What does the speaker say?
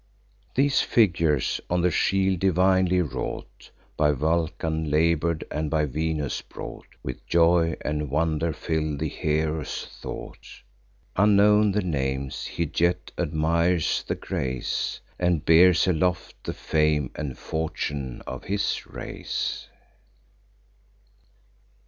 These figures, on the shield divinely wrought, By Vulcan labour'd, and by Venus brought, With joy and wonder fill the hero's thought. Unknown the names, he yet admires the grace, And bears aloft the fame and fortune of his race.